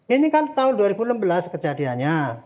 ini kan tahun dua ribu enam belas kejadiannya